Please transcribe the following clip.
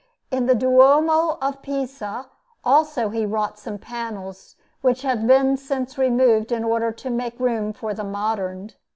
In the Duomo of Pisa, also, he wrought some panels which have since been removed in order to make room for the modern.